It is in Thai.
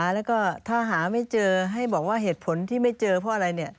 แล้วก็ถ้าหาไม่เจอให้บอกว่าเหตุผลที่ไม่เจอเพราะอะไร